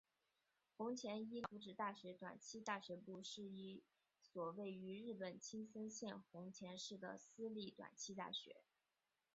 弘前医疗福祉大学短期大学部是一所位于日本青森县弘前市的私立短期大学。